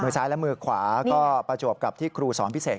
ซ้ายและมือขวาก็ประจวบกับที่ครูสอนพิเศษ